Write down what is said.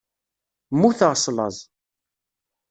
Mmuteɣ s laẓ.